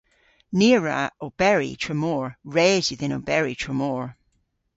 Ni a wra oberi tramor. Res yw dhyn oberi tramor.